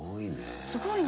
すごいね。